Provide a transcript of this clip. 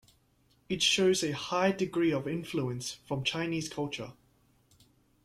It shows a high degree of influence from Chinese culture.